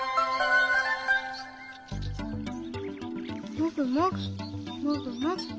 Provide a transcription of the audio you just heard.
もぐもぐもぐもぐ。